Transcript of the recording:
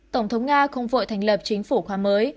tổng thống nga không vội thành lập chính phủ khóa mới